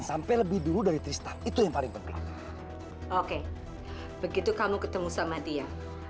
sampai jumpa di video selanjutnya